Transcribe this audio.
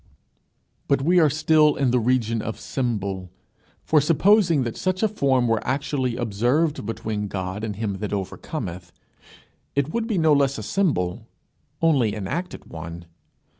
But we are still in the region of symbol. For supposing that such a form were actually observed between God and him that overcometh, it would be no less a symbol only an acted one.